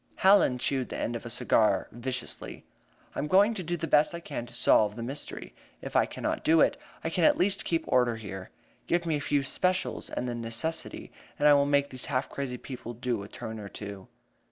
Hallen chewed the end of a cigar viciously. "I am going to do the best I can to solve the mystery; if I cannot do that, I can at least keep order here. Give me a few 'specials' and the necessity, and I will make these half crazy people do a turn or two."